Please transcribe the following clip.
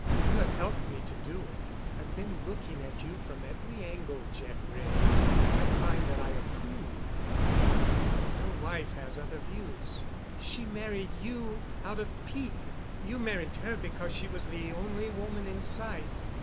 You have helped me to do it. I've been looking at you from every angle, Jeff Wray, and I find that I approve of you. Your wife has other views. She married you out of pique. You married her because she was the only woman in sight.